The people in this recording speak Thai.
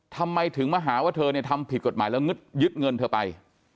ทำไมถึงมาหาว่าเธอทำผิดกฎหมายแล้วยึดเงินเธอไป